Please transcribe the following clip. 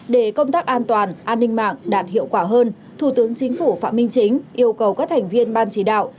để công tác an toàn an ninh mạng đạt hiệu quả hơn thủ tướng chính phủ phạm minh chính yêu cầu các thành viên ban chỉ đạo